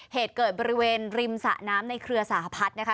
เหตุเกิดบริเวณริมสะน้ำในเครือสหพัฒน์นะคะ